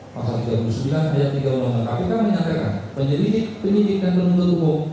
pasal tiga puluh sembilan ayat tiga undang undang kpk menyatakan penyelidik penyelidik dan penuntut umum